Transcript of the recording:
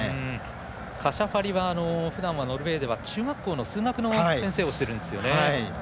カシャファリはふだんはノルウェーでは中学校の数学の先生をしているんですよね。